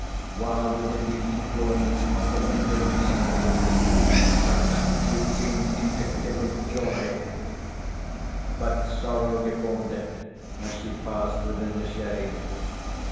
While within the influence of the lingering sunbeams, her attitude seemed indicative of joy—but sorrow deformed it as she passed within the shade.